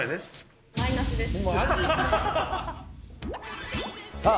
マイナスです。